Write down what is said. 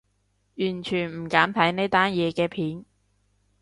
完全唔敢睇呢單嘢嘅片